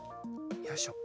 よいしょ。